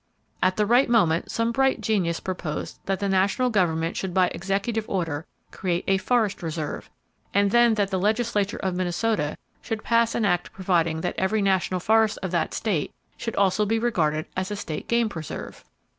At the right moment, some bright genius proposed that the national government should by executive order create a "forest reserve," and then that the legislature of Minnesota should pass an act providing that every national forest of that state should also be regarded as a state game preserve!